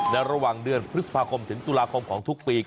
ระหว่างเดือนพฤษภาคมถึงตุลาคมของทุกปี